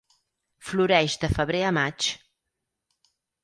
Floreix de febrer a maig.